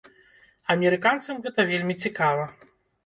Амерыканцам гэта вельмі цікава.